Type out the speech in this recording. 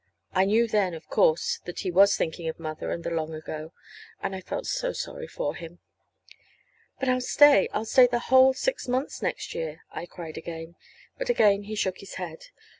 I knew then, of course, that he was thinking of Mother and the long ago. And I felt so sorry for him. "But I'll stay I'll stay the whole six months next year!" I cried again. But again he shook his head.